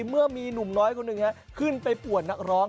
เมื่อมีหนุ่มน้อยคนหนึ่งขึ้นไปป่วนนักร้อง